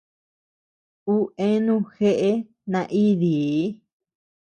Ú eanu jeʼe naídii.